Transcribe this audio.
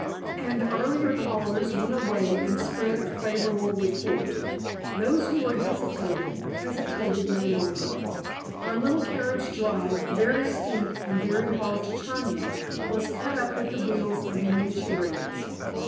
And earlier callers went away and spread a favorable report. Those who were hesitating, hesitated no longer. Our little carriage drive, very steep and very hard to turn in, was cut up with the wheels of many chariots.